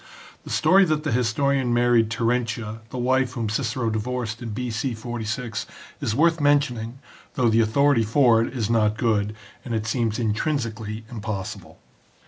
The story that the historian married Terentia, the wife whom Cicero divorced in B.C. 46, is worth mentioning, though the authority for it is not good, and it seems intrinsically improbable.